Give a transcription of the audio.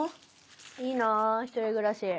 いいなぁ１人暮らし。